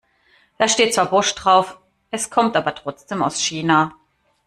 Da steht zwar Bosch drauf, es kommt aber trotzdem aus China.